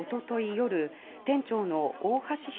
夜店長の大橋弘